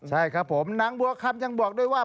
ใช่ครับผมนางบัวคำยังบอกด้วยว่า